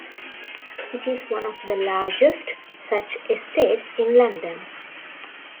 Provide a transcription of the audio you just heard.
It is one of the largest such estates in London.